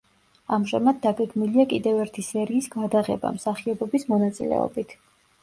ამჟამად დაგეგმილია კიდევ ერთი სერიის გადაღება, მსახიობების მონაწილეობით.